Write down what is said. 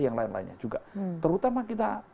yang lain lainnya juga terutama kita